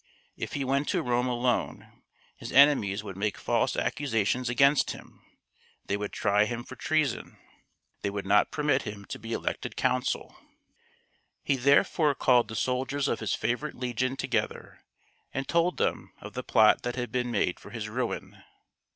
If he went to Rome alone, his enemies would make false accusa tions against him ; they would try him for treason ; they would not permit him to be elected consul. 214 THIRTY MORE FAMOUS STORIES He therefore called the soldiers of his favorite legion together and told them of the plot that had been made for his ruin.